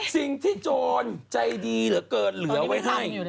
โจรใจดีเหลือเกินเหลือไว้ให้